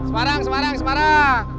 semarang semarang semarang